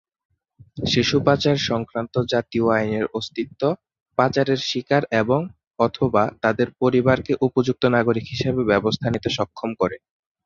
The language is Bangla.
শিশু পাচার সংক্রান্ত জাতীয় আইনের অস্তিত্ব পাচারের শিকার এবং/অথবা তাদের পরিবারকে উপযুক্ত নাগরিক হিসাবে ব্যবস্থা নিতে সক্ষম করে।